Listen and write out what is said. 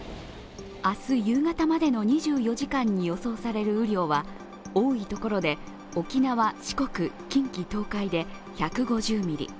明日夕方までの２４時間に予想される雨量は多い所で沖縄、四国、近畿、東海で１５０ミリ